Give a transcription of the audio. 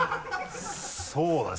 そうだね